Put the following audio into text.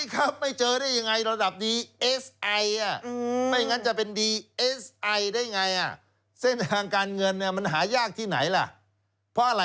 ขออยู่